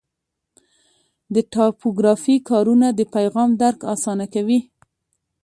د ټایپوګرافي کارونه د پیغام درک اسانه کوي.